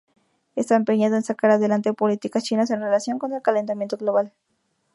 Está empeñado en sacar adelante políticas chinas en relación con el calentamiento global.